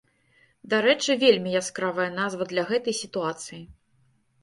Дарэчы, вельмі яскравая назва для гэтай сітуацыі.